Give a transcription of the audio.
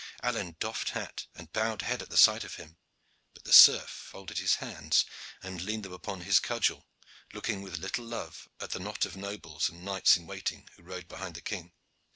Alleyne doffed hat and bowed head at the sight of him, but the serf folded his hands and leaned them upon his cudgel, looking with little love at the knot of nobles and knights in waiting who rode behind the king.